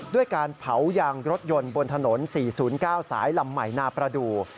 ด้วยการเผายางรถยนต์บนถนน๔๐๙สายลำใหม่นาประดูก